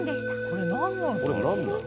これなんなんだ？